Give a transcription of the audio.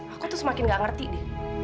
aku tuh semakin gak ngerti deh